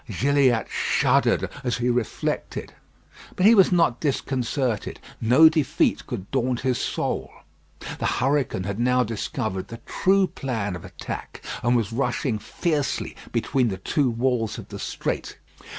Gilliatt shuddered as he reflected. But he was not disconcerted. No defeat could daunt his soul. The hurricane had now discovered the true plan of attack, and was rushing fiercely between the two walls of the strait.